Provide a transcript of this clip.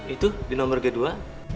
itu di nomor kedua